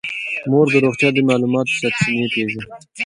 مور د روغتیا د معلوماتو سرچینې پېژني.